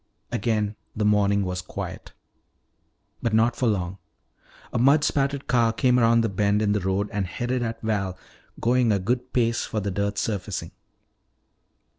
Again the morning was quiet. But not for long. A mud spattered car came around the bend in the road and headed at Val, going a good pace for the dirt surfacing.